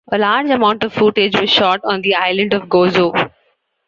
A large amount of footage was shot on the island of Gozo.